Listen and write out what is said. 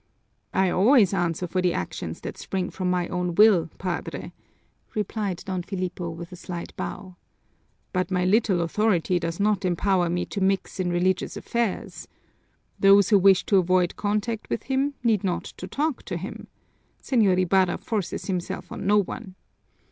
"I always answer for the actions that spring from my own will, Padre," replied Don Filipo with a slight bow. "But my little authority does not empower me to mix in religious affairs. Those who wish to avoid contact with him need not talk to him. Señor Ibarra forces himself on no one."